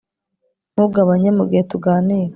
ntugabanye mugihe tuganira